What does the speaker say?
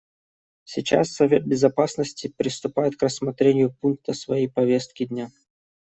Сейчас Совет Безопасности приступает к рассмотрению пункта своей повестки дня.